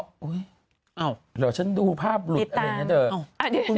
เดี๋ยวฉันดูภาพหลุดอะไรกันเดิม